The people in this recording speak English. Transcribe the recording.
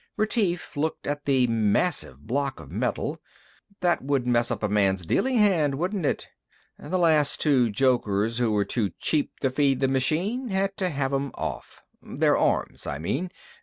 Retief looked at the massive block of metal. "That would mess up a man's dealing hand, wouldn't it?" "The last two jokers who were too cheap to feed the machine had to have 'em off. Their arms, I mean.